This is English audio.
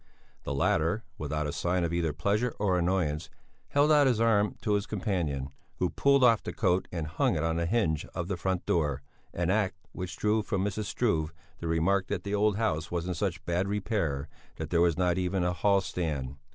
The latter, without a sign of either pleasure or annoyance, held out his arm to his companion, who pulled off the coat and hung it on the hinge of the front door, an act which drew from Mrs. Struve the remark that the old house was in such bad repair that there was not even a hall stand.